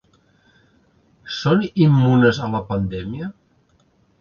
Són immunes a la pandèmia?